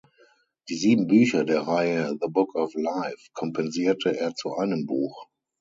Die sieben Bücher der Reihe „The Book of Life“ kompensierte er zu einem Buch.